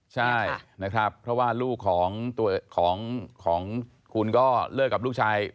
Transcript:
ใช่นะครับเพราะว่าลูกของคุณก็เลิกกับลูกชาย